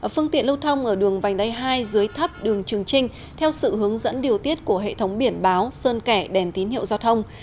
phương tiện lưu thông ở đường vành đay hai dưới thấp đường trường trinh theo sự hướng dẫn điều tiết của hệ thống biển báo sơn kẻ đèn tín hiệu giao thông